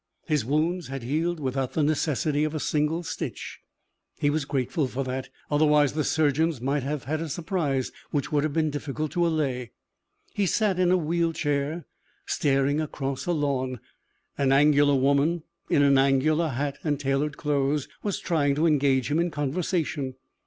His wounds had healed without the necessity of a single stitch. He was grateful for that. Otherwise the surgeons might have had a surprise which would have been difficult to allay. He sat in a wheel chair, staring across a lawn. An angular woman in an angular hat and tailored clothes was trying to engage him in conversation.